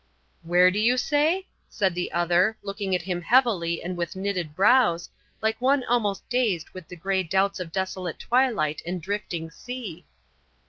"Where do you say?" said the other, looking at him heavily and with knitted brows, like one almost dazed with the grey doubts of desolate twilight and drifting sea.